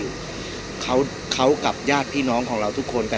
พี่อัดมาสองวันไม่มีใครรู้หรอก